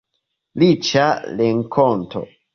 Riĉa renkonto.